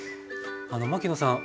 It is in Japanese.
牧野さん